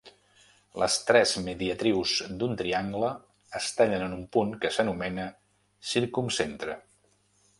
Les tres mediatrius d'un triangle es tallen en un punt que s'anomena circumcentre.